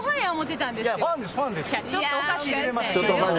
ちょっとおかしいです。